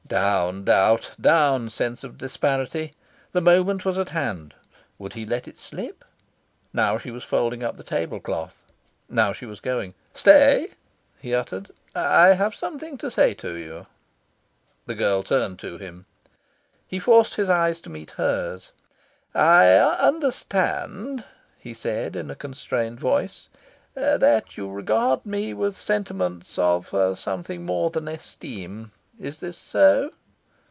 Down, doubt! Down, sense of disparity! The moment was at hand. Would he let it slip? Now she was folding up the table cloth, now she was going. "Stay!" he uttered. "I have something to say to you." The girl turned to him. He forced his eyes to meet hers. "I understand," he said in a constrained voice, "that you regard me with sentiments of something more than esteem. Is this so?"